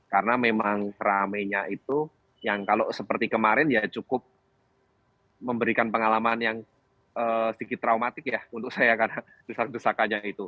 karena memang ramainya itu yang kalau seperti kemarin ya cukup memberikan pengalaman yang sedikit traumatik ya untuk saya karena desak desakannya itu